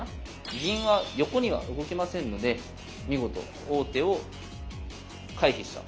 銀は横には動けませんので見事王手を回避した。